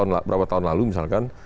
beberapa tahun lalu misalkan